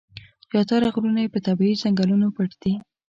زیاتره غرونه یې په طبیعي ځنګلونو پټ دي.